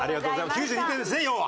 ９２点ですね要は。